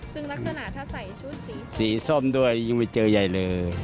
จึงลักษณะถ้าใส่ชุดสีส้มสีส้มด้วยยังไม่เจอใยเลย